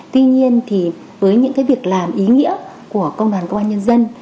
tuy nhiên thì với những việc làm ý nghĩa của công đoàn công an nhân dân